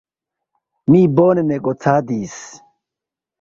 Mi bone negocadis.